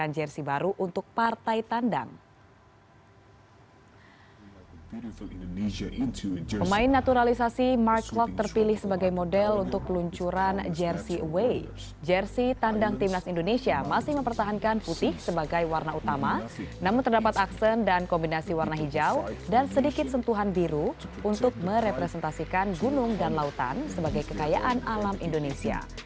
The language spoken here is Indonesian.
jersi tandang timnas indonesia